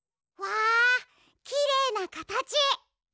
わあきれいなかたち！